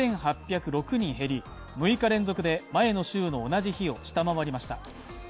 人減り、６日連続で前の週の同じ曜日を下回りました。